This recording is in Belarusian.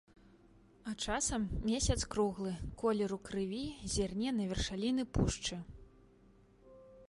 А часам месяц круглы, колеру крыві, зірне на вершаліны пушчы.